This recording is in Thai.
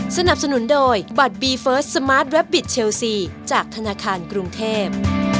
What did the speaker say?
สนับสนุนโดยบัตรบีเฟิร์สสมาร์ทแวบบิตเชลซีจากธนาคารกรุงเทพ